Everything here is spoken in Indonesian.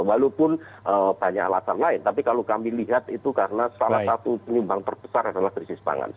walaupun banyak alasan lain tapi kalau kami lihat itu karena salah satu penyumbang terbesar adalah krisis pangan